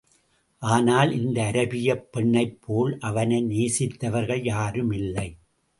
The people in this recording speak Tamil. ஆனால் இந்த அரபியப் பெண்ணைப்போல் அவனை நேசித்தவர்கள் யாருமில்லை!